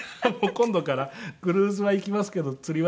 「今度からクルーズは行きますけど釣りはしません」